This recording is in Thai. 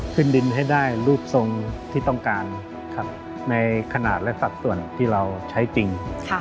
ขึ้นดินให้ได้รูปทรงที่ต้องการในขนาดและสัดส่วนที่เราใช้จริง